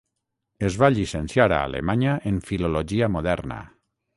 Es va llicenciar a Alemanya en filologia moderna.